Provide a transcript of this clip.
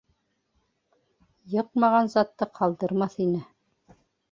Йыҡмаған затты ҡалдырмаҫ ине.